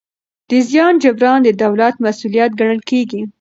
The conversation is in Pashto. د زیان جبران د دولت مسوولیت ګڼل کېږي.